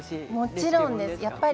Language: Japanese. もちろんです。